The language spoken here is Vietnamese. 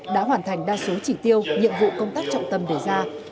đã hoàn thành đa số chỉ tiêu nhiệm vụ công tác trọng tâm đề ra